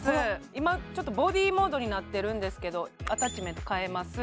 今ちょっと「ＢＯＤＹ」モードになってるんですけどアタッチメントかえます